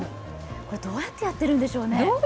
どうやってやってるんでしょうね。